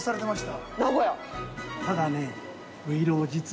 ただね。